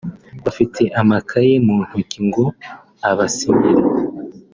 bafite amakaye mu ntoki ngo abasinyire